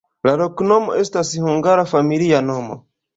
La loknomo estas hungara familia nomo.